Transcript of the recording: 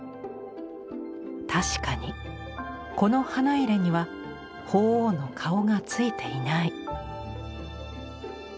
確かにこの花入には鳳凰の顔がついていない。